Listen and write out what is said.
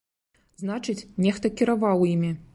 Значыць, нехта кіраваў імі!